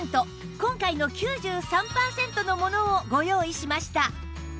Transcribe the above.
今回の９３パーセントのものをご用意しました